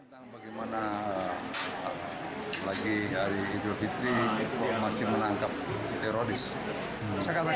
tentang bagaimana lagi hari idul fitri masih menangkap teroris